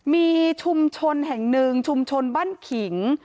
มีชุมชนแห่งหนึ่งชุมชนบ้านขิง